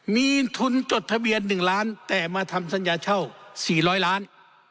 มีทุนจดทะเบียน๑ล้านแต่มาทำสัญญาเช่า๔๐๐ล้าน